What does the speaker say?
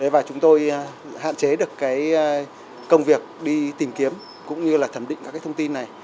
và chúng tôi hạn chế được công việc đi tìm kiếm cũng như là thẩm định các thông tin này